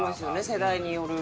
世代による。